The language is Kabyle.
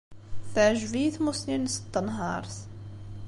Teɛjeb-iyi tmussni-nnes n tenhaṛt.